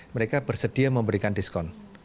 mereka bersedia memberikan diskon